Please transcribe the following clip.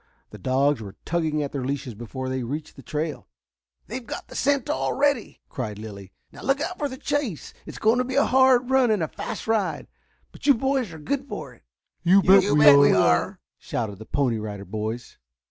The dogs were tugging at their leashes before they reached the trail. "They've got the scent already," cried Lilly. "Now look out for a chase. It is going to be a hard run and a fast ride, but you boys are good for it." "You bet we are!" shouted the Pony Rider Boys.